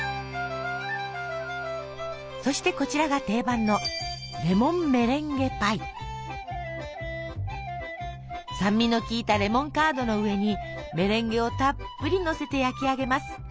そしてこちらが定番の酸味のきいたレモンカードの上にメレンゲをたっぷりのせて焼き上げます。